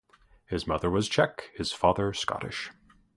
His mother was Czech, his father Scottish.